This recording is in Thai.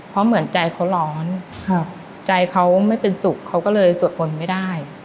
เพราะเหมือนใจเขาร้อนใจเขาไม่เป็นสุขเขาก็เลยสวดมนต์ไม่ได้